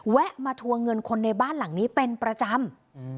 มาทวงเงินคนในบ้านหลังนี้เป็นประจำ